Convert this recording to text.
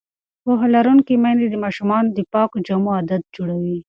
پوهه لرونکې میندې د ماشومانو د پاکو جامو عادت جوړوي.